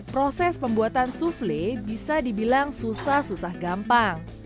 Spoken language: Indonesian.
proses pembuatan souffle bisa dibilang susah susah gampang